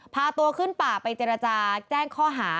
พาตัวขึ้นป่าไปเจรจาแจ้งข้อหา